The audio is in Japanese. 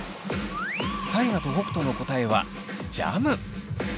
大我と北斗の答えはジャム。